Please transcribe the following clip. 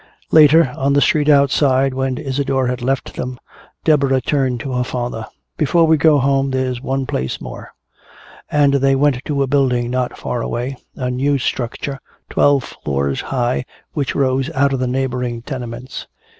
Later, on the street outside when Isadore had left them, Deborah turned to her father: "Before we go home, there's one place more." And they went to a building not far away, a new structure twelve floors high which rose out of the neighboring tenements.